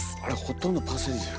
あれほとんどパセリ。